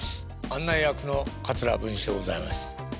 案内役の桂文枝でございます。